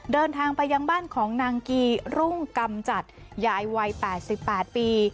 เดินทางไปยังบ้านของนางกี้รุ้งกำจัดยายวัยแปดสิบแปดปี